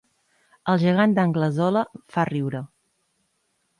El gegant d'Anglesola fa riure